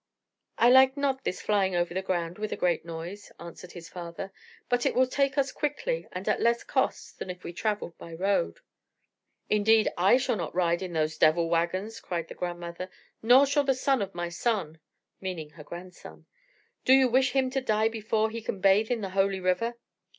"I like not this flying over the ground with a great noise," answered his father. "But it will take us quickly and at less cost than if we travelled by road." "Indeed I shall not ride in those 'devil wagons!'" cried the grandmother, "nor shall the son of my son" (meaning her grandson). "Do you wish him to die before he can bathe in the holy river?"